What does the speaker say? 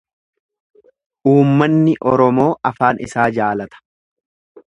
Uummanni Oromoo afaan isaa jaalata.